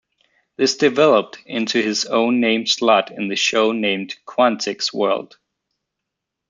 This developed into his own named slot in the show, named "Quantick's World".